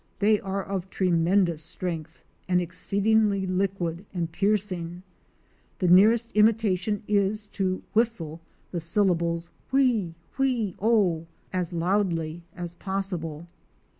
They are of tremendous strength and exceedingly liquid and piercing. The nearest imitation is to whistle the syllables wheé! wheé! o! as loudly as possible.